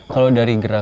kalau dari gerak